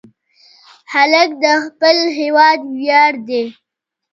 هلک د خپل هېواد ویاړ دی.